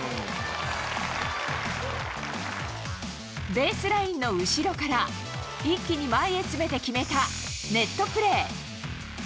ベースラインの後ろから一気に前へ詰めて決めたネットプレー。